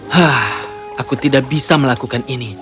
hah aku tidak bisa melakukan ini